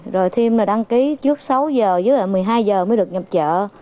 rồi thêm đăng ký trước sáu giờ dưới một mươi hai giờ mới được nhập chợ